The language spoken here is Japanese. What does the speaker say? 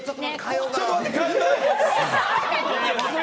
ちょっと待って、変えたい！